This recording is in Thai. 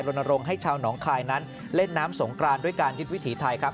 ลงให้ชาวหนองคายนั้นเล่นน้ำสงกรานด้วยการยึดวิถีไทยครับ